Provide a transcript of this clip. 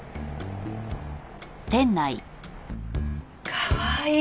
かわいい！